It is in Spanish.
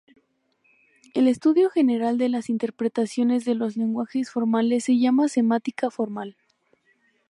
El estudio general de las interpretaciones de los lenguajes formales se llama semántica formal.